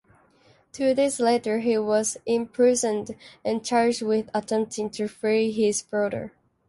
Two days later, he was imprisoned and charged with attempting to free his brother.